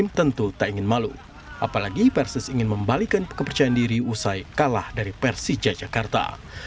pemain pemain kepercayaan diri usai kalah dari persija jakarta